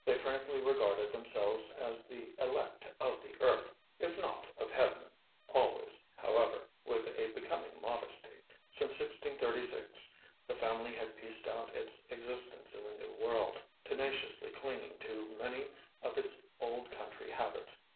They frankly regarded themselves as the elect of earth, if not of Heaven, always, however, with a becoming modesty. Since 1636 the family had pieced out its existence in the New World, tenaciously clinging to many of its old country habits.